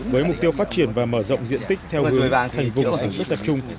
với mục tiêu phát triển và mở rộng diện tích theo hướng thành vùng sản xuất tập trung